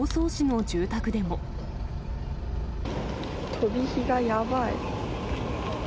飛び火がやばい。